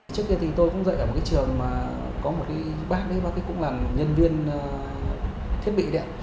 trước kia thì tôi cũng dạy ở một cái trường mà có một cái bác ấy bác ấy cũng là nhân viên thiết bị đấy ạ